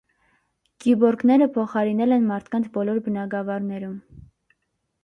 Կիբօրգները փոխարինել են մարդկանց բոլոր բնագավառներում։